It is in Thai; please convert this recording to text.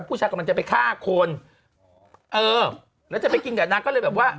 ผู้ชายกำลังจะไปฆ่าคนเออแล้วจะไปกินกับนางก็เลยแบบว่า